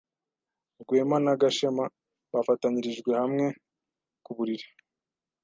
Rwema na Gashema bafatanyirijwe hamwe ku buriri.